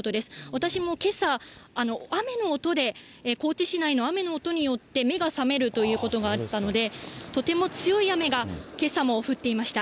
私もけさ、雨の音で高知市内の雨の音によって目が覚めるということがあったので、とても強い雨がけさも降っていました。